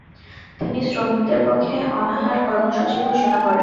তিনি শ্রমিকদের পক্ষে অনাহার কর্মসূচি ঘোষণা করেন।